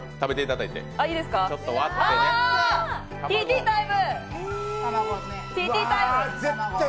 あ、ＴＴタイム。